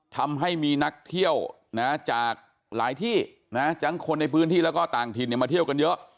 ทำให้มีนักเที่ยวจากหลายที่นะทั้งคนในพื้นที่แล้วก็ต่างถิ่นมาเที่ยวกันเยอะ